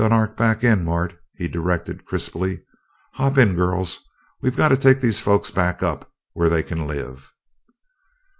_] "Help Dunark back in, Mart," he directed crisply. "Hop in, girls we've got to take these folks back up where they can live."